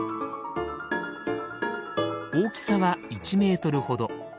大きさは１メートルほど。